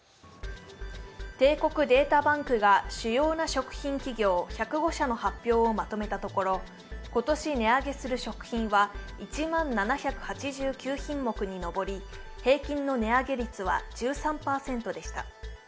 帝国データバンクが主要な食品企業１０５社の発表をまとめたところ、今年値上げする食品は１万７８９品目に上り、平均の値上げ率は１３％でした。